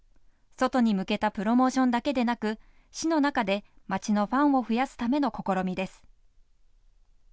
外に向けたプロモーションだけでなく市の中でまちのファンを増やすための試みです。